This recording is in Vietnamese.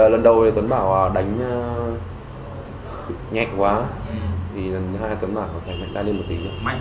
vì lần đầu tuấn bảo đánh nhẹt quá thì lần hai tuấn bảo đánh tay lên một tí